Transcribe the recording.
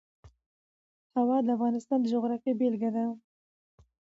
هوا د افغانستان د جغرافیې بېلګه ده.